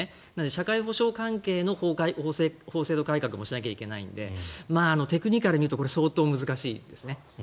社会保障関係の法制度改革もしなきゃいけないのでテクニカルに言うとこれ相当難しいです。